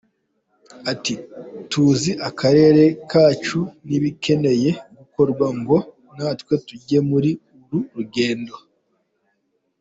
Ati “Tuzi akarere kacu n’ibikeneye gukorwa ngo natwe tujye muri uru rugendo.